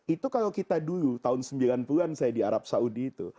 itu kalau kita dulu tahun sembilan puluh an saya di arab saudi itu